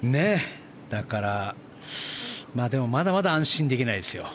だから、でも、まだまだ安心できないですよ。